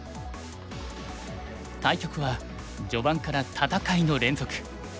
対局は序盤から戦いの連続。